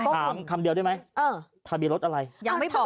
คำเดียวได้ไหมทะเบียนรถอะไรยังไม่พอ